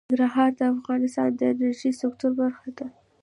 ننګرهار د افغانستان د انرژۍ سکتور برخه ده.